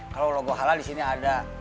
kalau logo halal disini ada